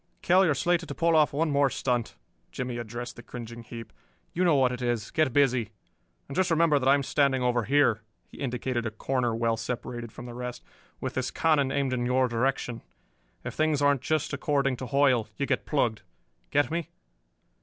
"Kell, you are slated to pull off one more stunt," Jimmie addressed the cringing heap. "You know what it is. Get busy. And just remember that I am standing over here" he indicated a corner well separated from the rest "with this cannon aimed in your direction. If things aren't just according to Hoyle, you get plugged. Get me?"